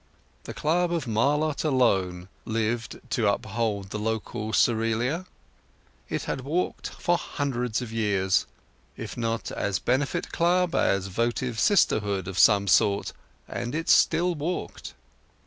The club of Marlott alone lived to uphold the local Cerealia. It had walked for hundreds of years, if not as benefit club, as votive sisterhood of some sort; and it walked still.